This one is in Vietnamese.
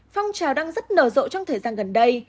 phong trào đang rất nở rộ trong thời gian gần đây